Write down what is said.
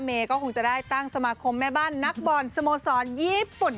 ก็คงจะได้ตั้งสมาคมแม่บ้านนักบอลสโมสรญี่ปุ่น